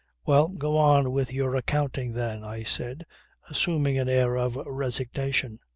"Well go on with your accounting then," I said, assuming an air of resignation.